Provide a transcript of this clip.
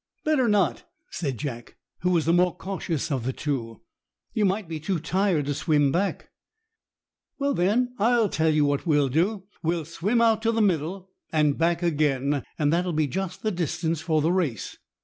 "Better not," said Jack, who was the more cautious of the two. "You might be too tired to swim back." "Well, then, I'll tell you what we'll do. We'll swim out to the middle and back again, and that'll be just the distance for the race."